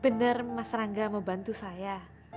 bener mas rangga mau bantu saya